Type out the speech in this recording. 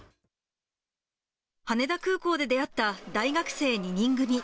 羽田空港で出会った大学生２人組。